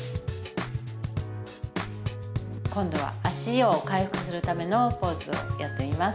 今度は足を回復するためのポーズをやってみます。